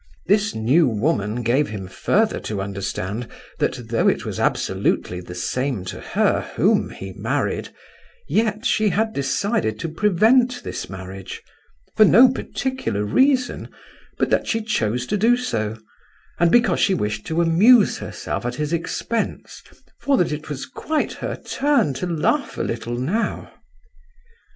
This new woman gave him further to understand that though it was absolutely the same to her whom he married, yet she had decided to prevent this marriage—for no particular reason, but that she chose to do so, and because she wished to amuse herself at his expense for that it was "quite her turn to laugh a little now!"